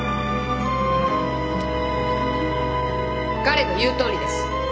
彼の言うとおりです。